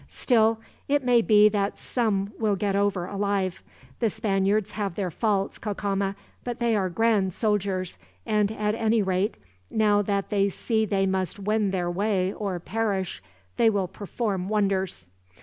Still, it may be that some will get over alive. The Spaniards have their faults, Cacama, but they are grand soldiers; and at any rate, now that they see they must win their way or perish, they will perform wonders."